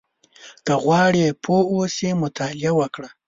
• که غواړې پوه اوسې، مطالعه وکړه.